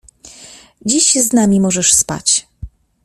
Dziś z nami możesz spać.